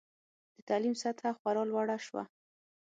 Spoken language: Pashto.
د تعلیم سطحه خورا لوړه شوه.